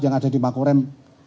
yang ada di makorem